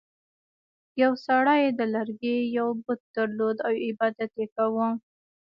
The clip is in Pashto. یو سړي د لرګي یو بت درلود او عبادت یې کاوه.